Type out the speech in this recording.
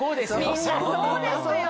みんなそうですよね。